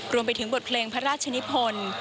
รวมไปถึงบทเพลงพระราชนิพล